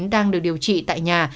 đang được điều trị tại nhà